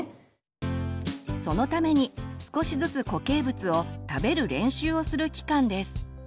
そのために少しずつ固形物を「食べる練習」をする期間です。